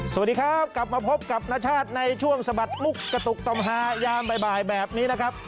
สวัสดีครับกลับมาพบกับนชาติในช่วงสะบัดมุกกระตุกต่อมหายามบ่ายแบบนี้นะครับ